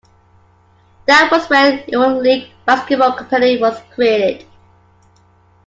That was when Euroleague Basketball Company was created.